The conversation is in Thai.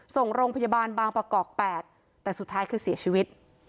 ส่งโรงพยาบาลบางประกอบ๘แต่สุดท้ายคือเสียชีวิต